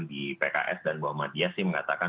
di pks dan muhammadiyah sih mengatakan